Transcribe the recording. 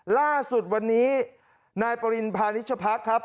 ล่าสุดวันนี้นายปริณพานิชพักครับ